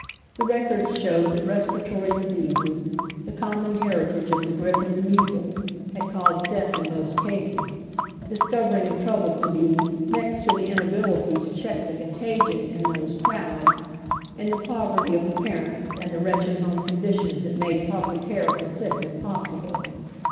Tbe records showed that respiratory diseases, the common heritage of the grippe and the measles, had caused death in most cases, discovering the ti ouble to be, next to the inability to check the contagion in those crowds, in the poverty of the parents and the wretched liome conditions that made proper care of the sick impos sible.